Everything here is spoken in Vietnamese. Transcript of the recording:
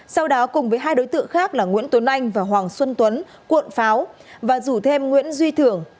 sau đó cùng với hai đối tượng khác là nguyễn tuấn anh và hoàng xuân tuấn cuộn pháo và rủ thêm nguyễn duy thưởng